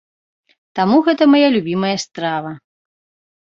Таму гэта мая любімае страва.